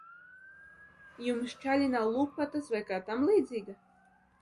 Jums čaļi nav lupatas vai kā tamlīdzīga?